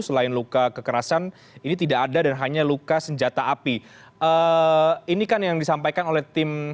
selain luka kekerasan ini tidak ada dan hanya luka senjata api ini kan yang disampaikan oleh tim